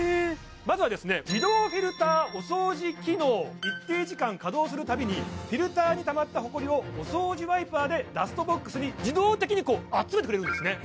まずはですね一定時間稼働するたびにフィルターにたまったほこりをお掃除ワイパーでダストボックスに自動的にこう集めてくれるんですね